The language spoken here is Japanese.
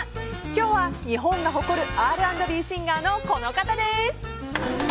今日は日本が誇るＲ＆Ｂシンガーのこの方です。